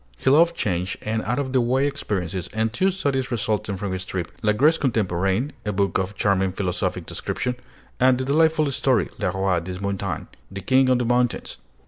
He loved change and out of the way experiences, and two studies resulted from this trip: 'La Grèce Contemporaine,' a book of charming philosophic description; and the delightful story 'Le Roi des Montagnes' (The King of the Mountains).